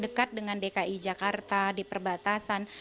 dekat dengan dki jakarta di perbatasan